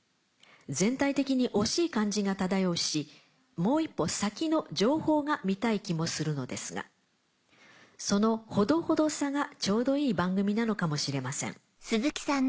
全体的に惜しい感じが漂うしもう一歩先の情報が見たい気もするのですがそのほどほどさがちょうどいい番組なのかもしれません」。